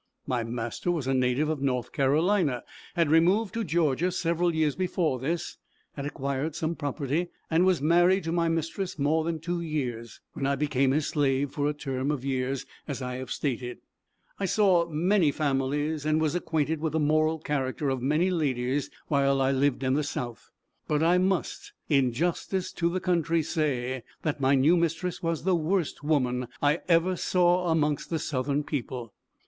My master was a native of North Carolina had removed to Georgia several years before this had acquired some property, and was married to my mistress more than two years, when I became his slave for a term of years, as I have stated. I saw many families, and was acquainted with the moral character of many ladies while I lived in the South; but I must, in justice to the country, say that my new mistress was the worst woman I ever saw amongst the southern people.